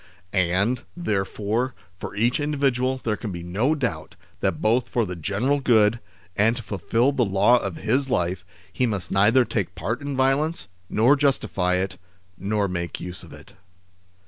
And, therefore, for each individual there can be no doubt that both for the general good, and to fulfil the law of his life, he must neither take part in violence, nor justify it, nor make use of it.